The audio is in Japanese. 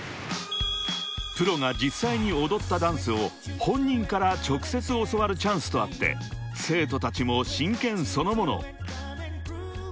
［プロが実際に踊ったダンスを本人から直接教わるチャンスとあって生徒たちも真剣そのもの］